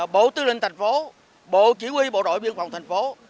bộ tư linh thành phố bộ chỉ huy bộ đội biên phòng thành phố